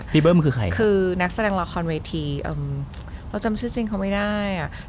เบิ้มคือใครคือนักแสดงละครเวทีเราจำชื่อจริงเขาไม่ได้อ่ะ